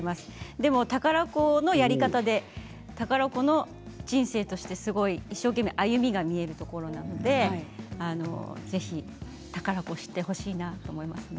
でも宝子のやり方で宝子の人生としてすごい一生懸命歩みが見えるところなのでぜひ宝子を知ってほしいなと思いますね。